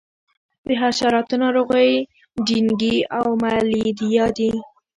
د حشراتو ناروغۍ ډینګي او ملیریا دي.